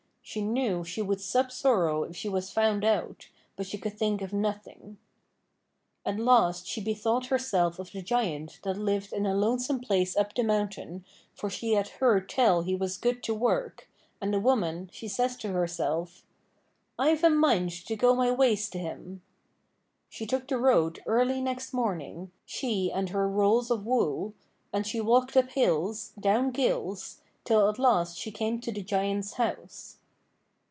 She knew she would sup sorrow if she was found out, but she could think of nothing. At last she bethought herself of the Giant that lived in a lonesome place up the mountain, for she had heard tell he was good to work, and the woman, she says to herself: 'I've a mind to go my ways to him.' She took the road early next morning, she and her rolls of wool, and she walked up hills, down gills, till at last she came to the Giant's house.